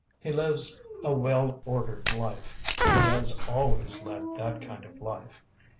He lives a well ordered life; he has always led that kind of life.